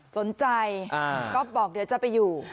สนใจก๊อฟบอกเดี๋ยวจะไปอยู่